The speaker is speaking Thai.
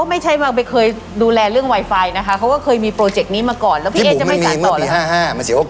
อ่ะเชิญ